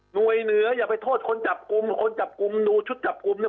เหนืออย่าไปโทษคนจับกลุ่มคนจับกลุ่มดูชุดจับกลุ่มเนี่ย